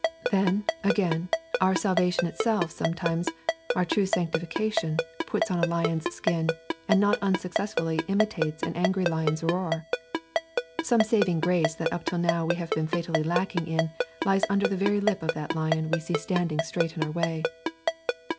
Then, again, our salvation itself sometimes, our true sanctification, puts on a lion's skin and not unsuccessfully imitates an angry lion's roar. Some saving grace that up till now we have been fatally lacking in lies under the very lip of that lion we see standing straight in our way.